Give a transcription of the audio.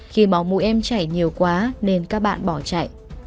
khi máu mũi em chảy nhiều quá nên các bạn bỏ chạy